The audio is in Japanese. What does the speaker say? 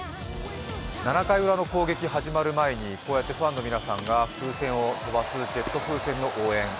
７回ウラの攻撃始まる前にこうやってファンの皆さんが風船を飛ばすジェット風船の応援。